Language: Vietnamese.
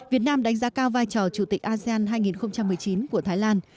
việt nam đánh giá cao vai trò chủ tịch asean hai nghìn một mươi chín của thái lan